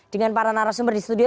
dengan para narasumber di studio